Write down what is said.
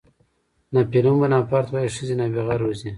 ناپلیون بناپارټ وایي ښځې نابغه روزي.